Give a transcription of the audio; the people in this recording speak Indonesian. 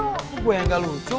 itu gue yang gak lucu